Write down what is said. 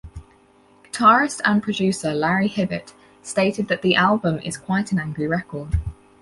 Guitarist and producer Larry Hibbitt stated that the album is:quite an angry record.